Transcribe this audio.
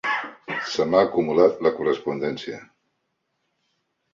Se m'ha acumulat la correspondència.